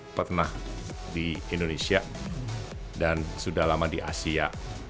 saya pernah di indonesia dan sudah lama di asia